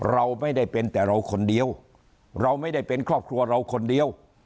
เราไม่ได้เป็นแต่เราคนเดียวเราไม่ได้เป็นครอบครัวเราคนเดียว